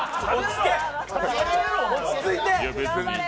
落ち着いて！